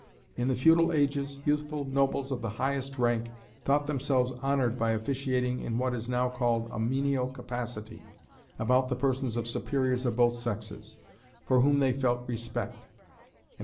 In the feudal ages, youthful nobles of the highest rank thought themselves honoured by officiating in what is now called a menial capacity, about the persons of superiors of both sexes, for whom they felt respect: and, as M.